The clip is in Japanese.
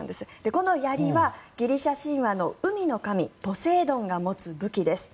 このやりはギリシャ神話の海の神ポセイドンが持つ武器です。